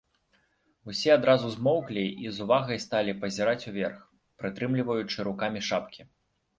Усе адразу змоўклі і з увагай сталі пазіраць уверх, прытрымліваючы рукамі шапкі.